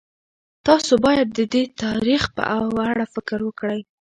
تاسو باید د تاریخ په اړه فکر وکړئ.